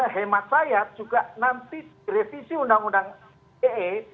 hemat saya juga nanti revisi undang undang ite